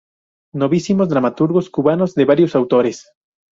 Novísimos dramaturgos cubanos" de varios autores.